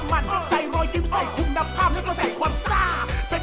ทางนั้น